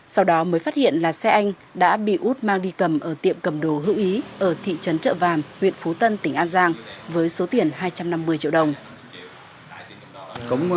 sau đó mới phát hiện là xe anh đã bị út mang đi cầm ở tiệm cầm đồ hữu ý ở thị trấn trợ vàm huyện phú tân tỉnh an giang với số tiền hai trăm năm mươi triệu đồng